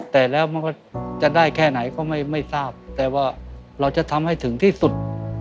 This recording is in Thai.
แต่แล้วมันก็จะได้แค่ไหนก็ไม่ทราบแต่ว่าเราจะทำให้ถึงที่สุด